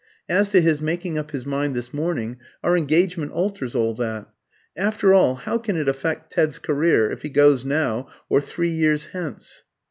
As to his making up his mind this morning, our engagement alters all that. After all, how can it affect Ted's career if he goes now or three years hence?"